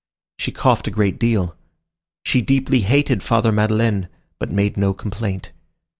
She coughed a great deal. She deeply hated Father Madeleine, but made no complaint.